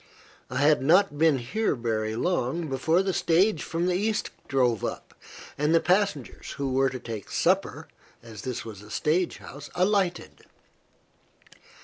I had not been here very long before the stage from the East drove up, and the passengers, who were to take supper, as this was a stage house, alighted.